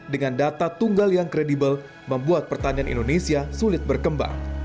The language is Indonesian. dengan data tunggal yang kredibel membuat pertanian indonesia sulit berkembang